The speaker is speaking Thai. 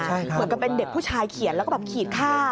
เหมือนกับเป็นเด็กผู้ชายเขียนแล้วก็แบบขีดค่า